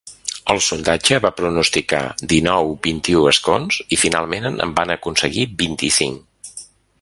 El sondatge va pronosticar dinou-vint-i-u escons i finalment en van aconseguir vint-i-cinc.